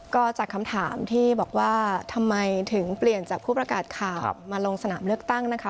ก็จากคำถามที่บอกว่าทำไมถึงเปลี่ยนจากผู้ประกาศข่าวมาลงสนามเลือกตั้งนะคะ